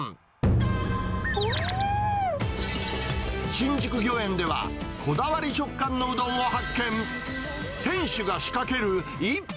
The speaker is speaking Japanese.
新宿御苑では、こだわり食感のうどんを発見。